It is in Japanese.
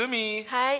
はい。